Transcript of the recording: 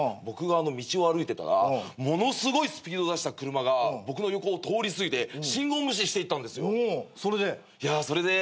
僕が道を歩いてたらものすごいスピード出した車が僕の横を通り過ぎて信号無視していったんですよ。